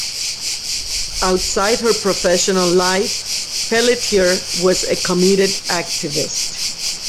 Outside her professional life, Pelletier was a committed activist.